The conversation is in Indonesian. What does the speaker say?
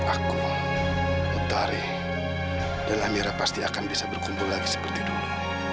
aku letari dan amira pasti akan bisa berkumpul lagi seperti dulu